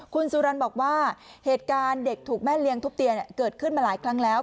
คุณสุรรณบอกว่าเหตุการณ์เด็กถูกแม่เลี้ยงทุบเตียเกิดขึ้นมาหลายครั้งแล้ว